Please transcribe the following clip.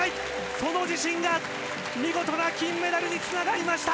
その自信が見事な金メダルにつながりました。